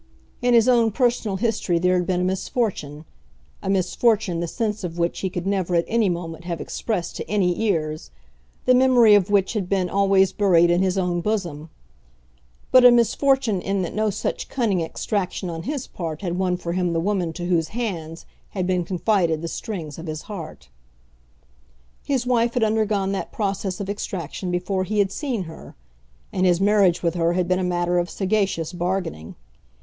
In his own personal history there had been a misfortune, a misfortune, the sense of which he could never, at any moment, have expressed to any ears, the memory of which had been always buried in his own bosom, but a misfortune in that no such cunning extraction on his part had won for him the woman to whose hands had been confided the strings of his heart. His wife had undergone that process of extraction before he had seen her, and his marriage with her had been a matter of sagacious bargaining.